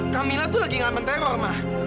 kamila tuh lagi ngamen teror mah